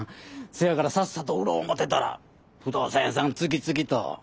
せやからさっさと売ろう思てたら不動産屋さん次々と。